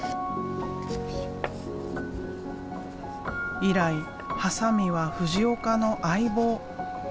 以来ハサミは藤岡の相棒。